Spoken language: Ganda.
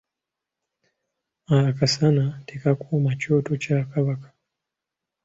Akasaana tekakuma kyoto kya Kabaka.